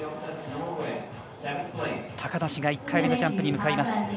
高梨が１回目のジャンプに向かいます。